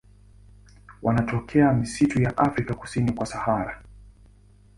Wanatokea misitu ya Afrika kusini kwa Sahara.